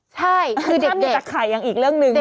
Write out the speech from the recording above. ใช่คือถ้ามีแต่ไข่ยังอีกเรื่องหนึ่ง